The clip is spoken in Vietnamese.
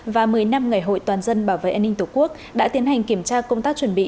và một mươi năm ngày hội toàn dân bảo vệ an ninh tổ quốc đã tiến hành kiểm tra công tác chuẩn bị